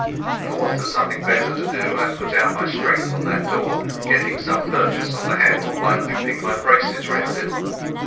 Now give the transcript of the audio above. For want of something better to do I put out my strength on that door, getting some purchase on the handle by looping my braces round it.